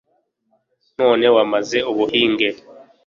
none wamaze ubuhinge